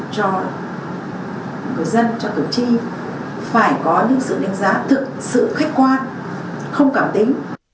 cho người dân cho cử tri phải có những sự đánh giá thực sự khách quan không cảm tính